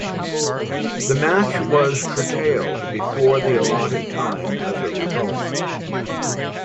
The match was curtailed before the allotted time as a result.